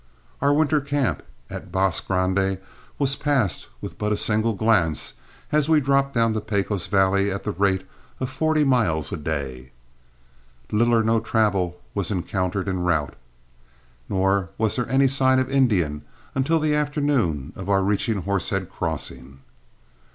Our winter camp at Bosque Grande was passed with but a single glance as we dropped down the Pecos valley at the rate of forty miles a day. Little or no travel was encountered en route, nor was there any sign of Indians until the afternoon of our reaching Horsehead Crossing.